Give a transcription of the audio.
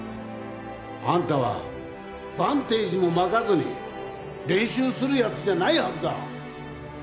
あんたはバンテージも巻かずに練習する奴じゃないはずだ！